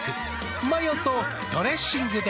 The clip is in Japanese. マヨとドレッシングで。